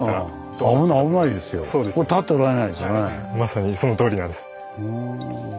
まさにそのとおりなんです。